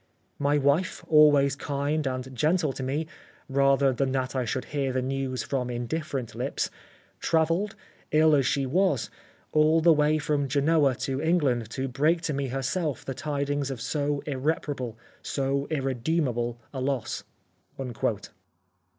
My wife, always kind and gentle to me, rather than that I should hear the news from indifferent lips, travelled, ill as she was, all the way from Genoa to England to break to me herself the tidings of so irreparable, so irredeemable, a loss."